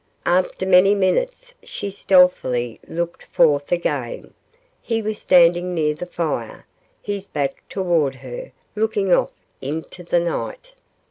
After many minutes she stealthily looked forth again. He was standing near the fire, his back toward her, looking off into the night.